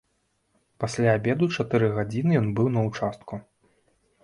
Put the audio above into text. Пасля абеду чатыры гадзіны ён быў на ўчастку.